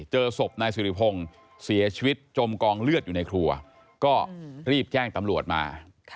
เจอศพนายสิริพงศ์เสียชีวิตจมกองเลือดอยู่ในครัวก็รีบแจ้งตำรวจมา